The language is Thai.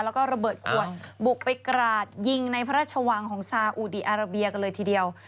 แล้วก็ระเบิดขวดบุกไปกราดยิงในพระราชวังของซาอุดีอาราเบียกันเลยทีเดียว